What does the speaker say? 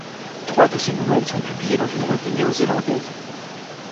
Trois de ses nouvelles sont publiées dans une revue néo-zélandaise.